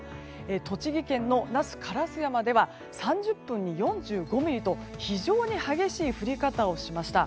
栃木県の那須烏山では３０分に４５ミリと非常に激しい降り方をしました。